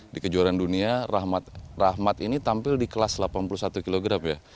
di kejuaraan dunia rahmat ini tampil di kelas delapan puluh satu kg ya